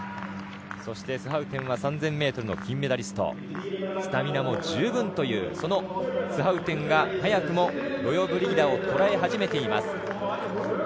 スハウテンは３０００ｍの金メダリストスタミナも十分というスハウテンが早くもロヨブリギダをとらえ始めています。